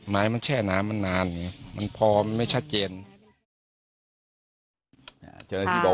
ไม้มันแช่น้ำมันนานมันพอไม่ชัดเตียง